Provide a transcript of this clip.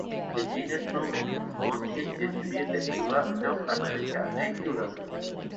The genus "Rumex" is mostly distributed throughout North America and Europe.